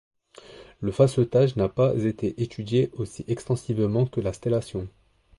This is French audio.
Le facettage n'a pas été étudié aussi extensivement que la stellation.